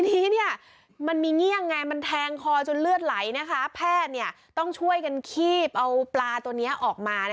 ทีนี้มันมีเงี่ยงไงมันแทงคอจนเลือดไหลแพทย์ต้องช่วยกันคีบเอาปลาตัวนี้ออกมา